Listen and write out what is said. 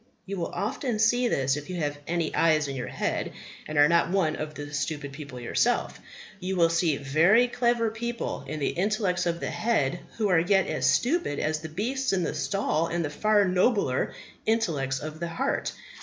You will often see this if you have any eyes in your head, and are not one of the stupid people yourself. You will see very clever people in the intellects of the head who are yet as stupid as the beasts in the stall in the far nobler intellects of the heart.